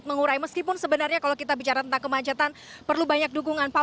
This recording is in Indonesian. berikut laporannya untuk anda